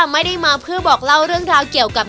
ไม่ได้มาเพื่อบอกเล่าเรื่องราวเกี่ยวกับ